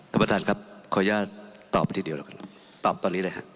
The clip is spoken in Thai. ครับประธานครับขออนุญาตตอบทีเดียวล่ะครับตอบตอนนี้เลยครับ